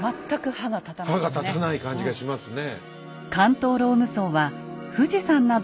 歯が立たない感じがしますね。